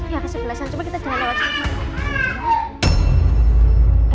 ya sebelah sana coba kita jalan lewat sana